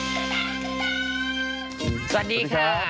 สวัสดีครับ